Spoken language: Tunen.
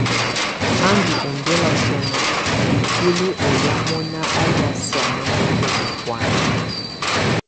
Á ndù ɔmbɛla sɔnɔ ikuili ɔ́ yá mɔna á lɛ̀á sianɛnatɔ ú bɔ̀ána.